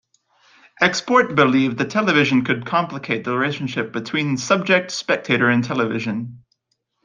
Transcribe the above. Export believed the television could complicate the relationship between subject, spectator, and television.